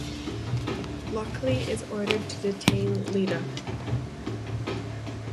Lochley is ordered to detain Lyta.